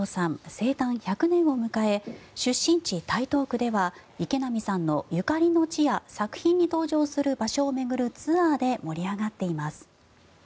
生誕１００年を迎え出身地、台東区では池波さんのゆかりの地や作品に登場する場所を巡るツアーで盛り上がっています。